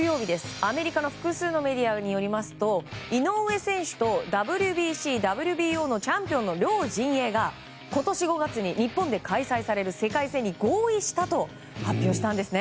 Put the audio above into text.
アメリカの複数のメディアによりますと井上選手とＷＢＣ、ＷＢＯチャンピオンの両陣営が今年５月に日本で開催される世界戦に合意したと発表したんですね。